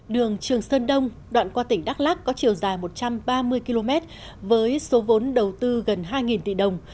đường trường sơn đông đoạn qua tỉnh đắk lắc có chiều dài một trăm ba mươi km với số vốn đầu tư gần hai tỷ đồng